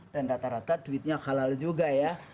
dan rata rata duitnya halal juga ya